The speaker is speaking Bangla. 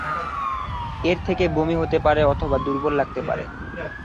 এর থেকে বমি হতে পারে অথবা দুর্বল লাগতে পারে।